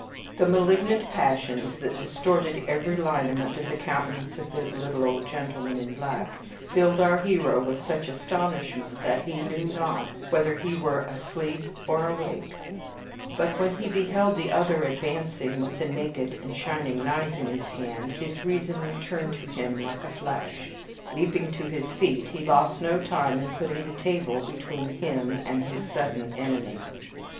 The malignant passions that distorted every lineament of the countenance of the little old gentleman in black filled our hero with such astonishment that he knew not whether he were asleep or awake; but when he beheld the other advancing with the naked and shining knife in his hand his reason returned to him like a flash. Leaping to his feet, he lost no time in putting the table between himself and his sudden enemy.